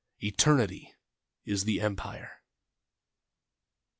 Eternity is the Empire.